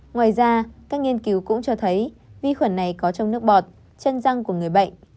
ngoài ra các nghiên cứu cũng cho thấy vi khuẩn này có trong nước bọt chân răng của người bệnh